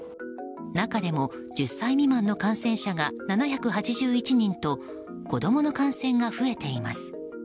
中でも１０歳未満の感染者が７８１人と子供の感染が増えています。